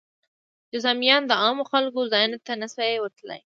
جذامیان د عامو خلکو ځایونو ته نه شوای ورتلی.